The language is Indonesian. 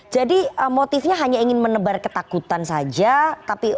jadi motifnya hanya ingin menebar ketakutan saja